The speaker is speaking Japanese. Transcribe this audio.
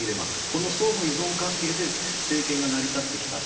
この相互依存関係で政権が成り立ってきた。